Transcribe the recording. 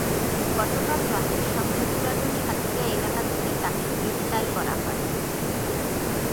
গতকাল রাতে শহরের পুরাতন সাতক্ষীরা এলাকা থেকে তাঁকে গ্রেপ্তার করা হয়।